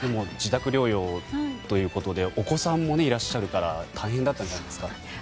自宅療養ということでお子さんもいらっしゃるから大変だったんじゃないですか？